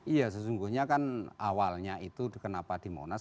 iya sesungguhnya kan awalnya itu kenapa di monas